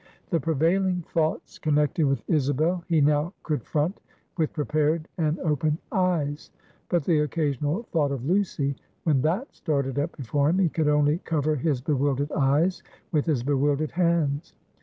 The prevailing thoughts connected with Isabel he now could front with prepared and open eyes; but the occasional thought of Lucy, when that started up before him, he could only cover his bewildered eyes with his bewildered hands.